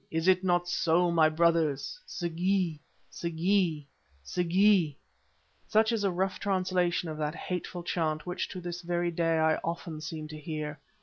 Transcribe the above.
Is it not so, my brothers? S'gee! S'gee! S'gee!" Such is a rough translation of that hateful chant which to this very day I often seem to hear.